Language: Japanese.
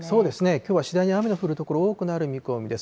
きょうは次第に雨の降る所、多くなる見込みです。